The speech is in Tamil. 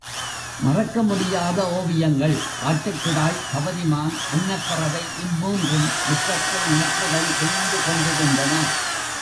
மறக்க முடியாத ஓவியங்கள் ஆட்டுக்கிடாய், கவரிமான் அன்னப்பறவை இம்மூன்றும் முற்றத்தில் நட்புடன் திரிந்து கொண்டிருந்தன.